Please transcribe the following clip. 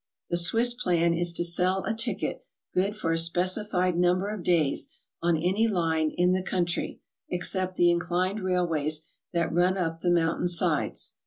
The Swiss plan is to sell a ticket good for a specified number of days on any line in the country, ex cept the inclined railways that run up the mountain sides.